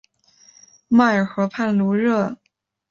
迈尔河畔卢热。